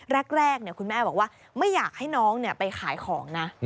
แรกคุณแม่บอกว่าไม่อยากให้น้องไปขายของนะ